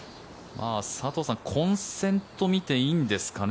まだ混戦と見ていいんですかね。